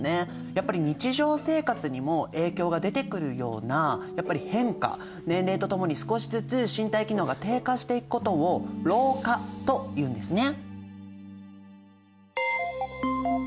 やっぱり日常生活にも影響が出てくるようなやっぱり変化年齢とともに少しずつ身体機能が低下していくことを老化というんですね。